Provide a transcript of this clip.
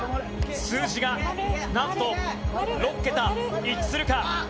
数字がなんと６桁一致するか？